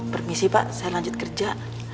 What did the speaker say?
permisi pak saya lanjut kerja